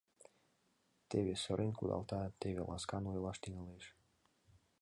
Теве сырен кудалта, теве ласкан ойлаш тӱҥалеш.